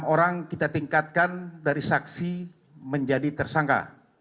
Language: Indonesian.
delapan orang kita tingkatkan dari saksi menjadi tersangka